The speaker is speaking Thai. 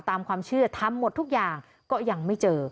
ตามความเชื่อทำหมดทุกอย่างก็ยังไม่เจอ